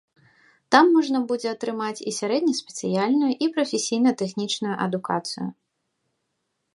Там можна будзе атрымаць і сярэдне-спецыяльную, і прафесійна-тэхнічную адукацыю.